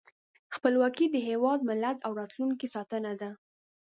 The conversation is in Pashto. خپلواکي د خپل هېواد، ملت او راتلونکي ساتنه ده.